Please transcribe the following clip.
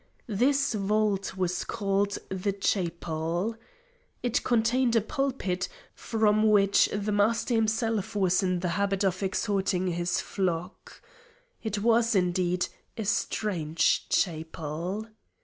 This vault was called the "chapel." It contained a pulpit, from which the Master himself was in the habit of exhorting his flock. It was, indeed, a strange chapel!